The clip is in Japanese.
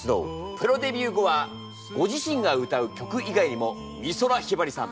プロデビュー後はご自身が歌う曲以外にも美空ひばりさん